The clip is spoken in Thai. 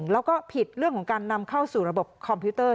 แล้วก็ผิดเรื่องของการนำเข้าสู่ระบบคอมพิวเตอร์